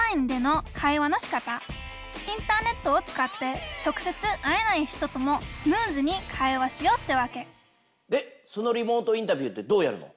インターネットを使って直接会えない人ともスムーズに会話しようってわけでそのリモートインタビューってどうやるの？